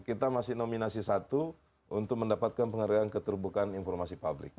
kita masih nominasi satu untuk mendapatkan penghargaan keterbukaan informasi publik